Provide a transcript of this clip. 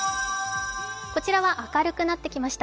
こちらは明るくなってきました。